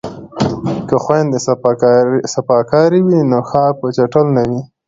که خویندې صفاکارې وي نو ښار به چټل نه وي.